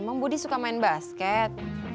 bang budi suka main basket